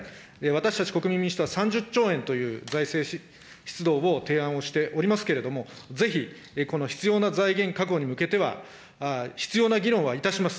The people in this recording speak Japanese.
私たち国民民主党としては３０兆円という財政出動を提案をしておりますけれども、ぜひ、この必要な財源確保に向けては、必要な議論はいたします。